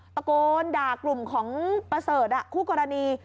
ตะโกนด่ากลุ่มของประเสริฐคู่กรณี